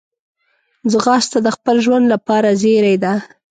ځغاسته د خپل ژوند لپاره زېری ده